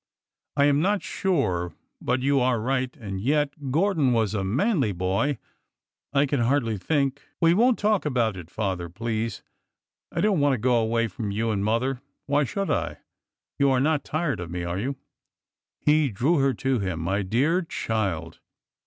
I am not sure but you are right— and yet — Gordon was a manly boy— I can hardly think—" We won't talk about it, father, please. I don't want to go away from you and mother. Why should I? You are not tired of me, are you ?" He drew her to him. My dear child